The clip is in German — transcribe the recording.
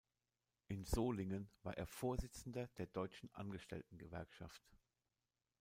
In Solingen war er Vorsitzender der Deutschen Angestellten-Gewerkschaft.